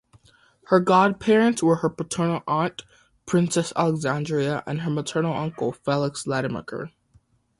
Her godparents were her paternal aunt, Princess Alexandra, and her maternal uncle, Felix Lademacher.